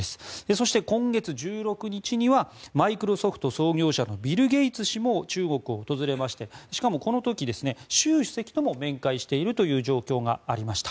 そして今月１６日にはマイクロソフト創業者のビル・ゲイツ氏も中国を訪れましてしかもこの時、習主席とも面会しているという状況がありました。